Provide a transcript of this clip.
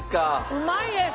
うまいです。